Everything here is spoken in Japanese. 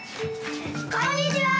こんにちはー！